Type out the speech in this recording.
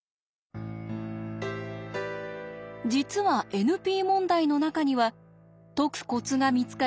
実はＮＰ問題の中には解くコツが見つかり